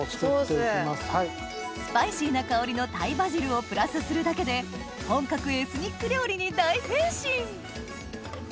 スパイシーな香りのタイバジルをプラスするだけで本格エスニック料理に大変身！